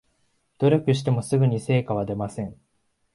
努力してもすぐに成果は出ません